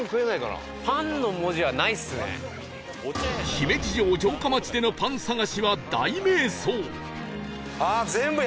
姫路城城下町でのパン探しは大迷走！